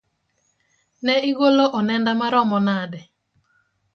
ne igolo onenda maromo nade?